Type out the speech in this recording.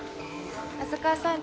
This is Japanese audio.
浅川さん